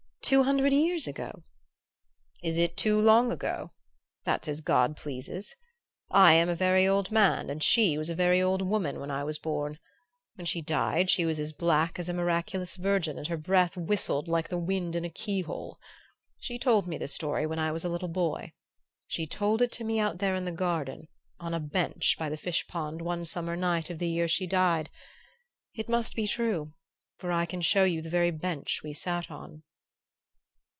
Two hundred years ago?" "Is it too long ago? That's as God pleases. I am a very old man and she was a very old woman when I was born. When she died she was as black as a miraculous Virgin and her breath whistled like the wind in a keyhole. She told me the story when I was a little boy. She told it to me out there in the garden, on a bench by the fish pond, one summer night of the year she died. It must be true, for I can show you the very bench we sat on...."